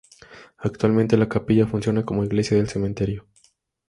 Actualmente la capilla funciona como iglesia del cementerio.